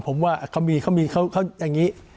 ผมว่าเขามีเขาอย่างนี้